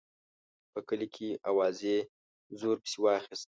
په کلي کې اوازې زور پسې واخیست.